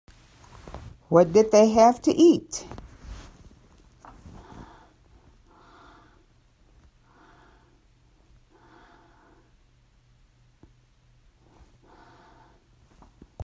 What did they have to eat?